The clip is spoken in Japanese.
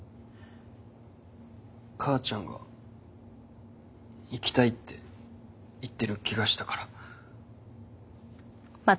母ちゃんが「行きたい」って言ってる気がしたから。